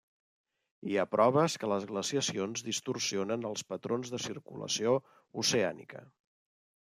Hi ha proves que les glaciacions distorsionen els patrons de circulació oceànica.